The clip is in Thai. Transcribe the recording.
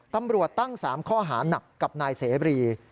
ตำรวจตั้ง๓ข้อหานักกับนายเสบรี